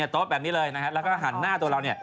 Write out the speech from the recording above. โต๊ะแบบนี้เลยนะครับแล้วก็หันหน้าตัวเราเนี่ย